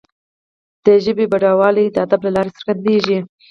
د ژبي بډایوالی د ادب له لارې څرګندیږي.